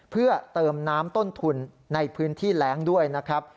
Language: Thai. เพื่อเติมน้ำต้นทุนในพื้นที่แรงด้วยนะครับ